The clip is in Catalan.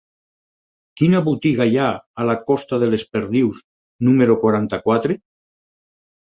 Quina botiga hi ha a la costa de les Perdius número quaranta-quatre?